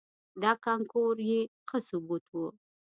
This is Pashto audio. دا کانکور یې ښه ثبوت و.